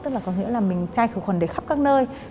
tức là có nghĩa là mình chai khử khuẩn để khắp các nơi